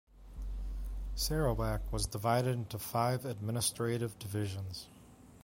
Sarawak was divided into five administrative Divisions.